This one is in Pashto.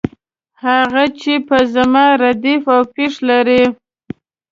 هغه چې په زما ردیف او پیښ لري.